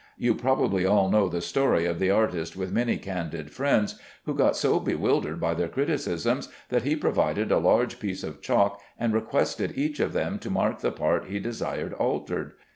You probably all know the story of the artist with many candid friends, who got so bewildered by their criticisms that he provided a large piece of chalk and requested each of them to mark the part he desired altered.